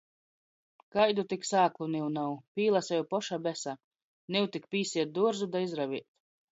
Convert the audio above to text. Kaidu tik sāklu niu nav! Pīlaseju poša besa, niu tik pīsēt duorzu, da izravēt.